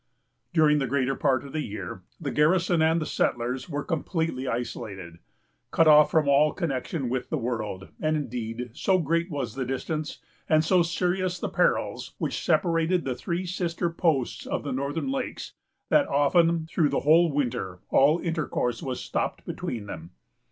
During the greater part of the year, the garrison and the settlers were completely isolated——cut off from all connection with the world; and, indeed, so great was the distance, and so serious the perils, which separated the three sister posts of the northern lakes, that often, through the whole winter, all intercourse was stopped between them.